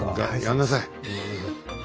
やんなさい。